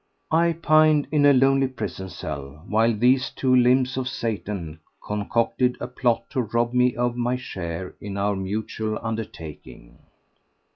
I pined in a lonely prison cell while these two limbs of Satan concocted a plot to rob me of my share in our mutual undertaking.